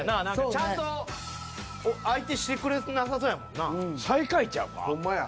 ちゃんと相手してくれてなさそうやもんな。ほんまや。